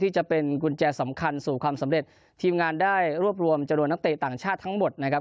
จะเป็นกุญแจสำคัญสู่ความสำเร็จทีมงานได้รวบรวมจำนวนนักเตะต่างชาติทั้งหมดนะครับ